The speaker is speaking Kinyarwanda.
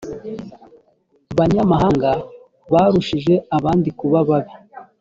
banyamahanga barushije abandi kuba babi